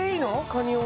カニを？